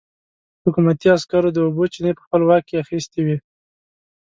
حکومتي عسکرو د اوبو چينې په خپل واک کې اخيستې وې.